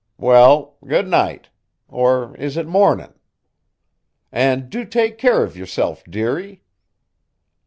"Well, good night or is it mornin'? And do take keer of yourself, dearie."